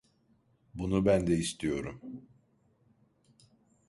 Bunu ben de istiyorum.